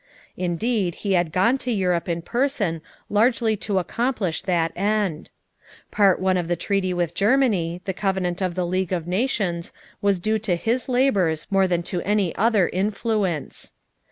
Indeed he had gone to Europe in person largely to accomplish that end. Part One of the treaty with Germany, the Covenant of the League of Nations, was due to his labors more than to any other influence.